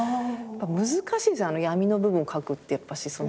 難しいですよねあの闇の部分を描くってやっぱし。